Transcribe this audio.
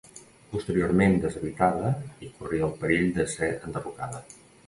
Posteriorment deshabitada i corria el perill de ser enderrocada.